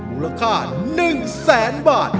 มูลค่า๑แสนบาท